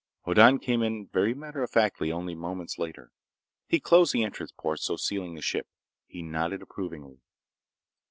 Hoddan came in very matter of factly only moments later. He closed the entrance port, so sealing the ship. He nodded approvingly.